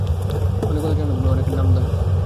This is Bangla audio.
অনেক কথা জান তুমি, অনেকের নামধাম।